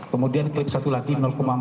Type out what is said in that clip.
kemudian klip satu lagi empat puluh tiga